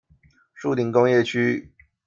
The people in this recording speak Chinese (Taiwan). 樹林工業區